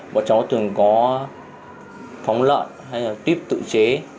bọn cháu thường có phóng lợn hay là tuyếp tự chế